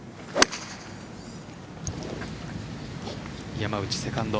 山内、セカンド。